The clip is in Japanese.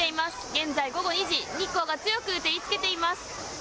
現在午後２時、日光が強く照りつけています。